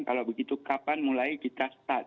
kalau begitu kapan mulai kita start